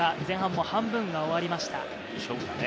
前半、半分が終わりました。